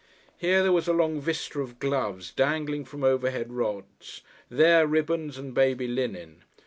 Here there was a long vista of gloves dangling from overhead rods, there ribbons and baby linen.